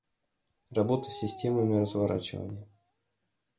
Работа с системами разворачивания